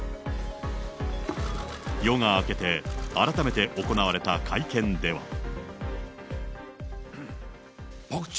夜が明けて改めて行われた会見では。